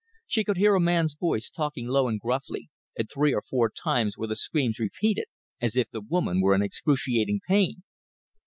She could hear a man's voice talking low and gruffly, and three or four times were the screams repeated, as if the woman were in excruciating pain.